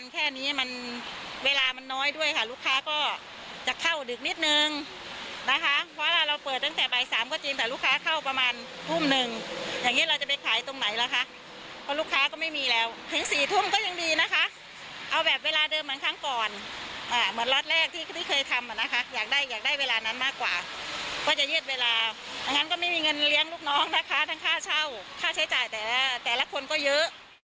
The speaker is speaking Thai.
ที่เคยทำนะคะอยากได้อยากได้เวลานั้นมากกว่าก็จะเย็นเวลาอันนั้นก็ไม่มีเงินเลี้ยงลูกน้องนะคะทั้งค่าเช่าค่าใช้จ่ายแต่แต่ละคนก็เยอะ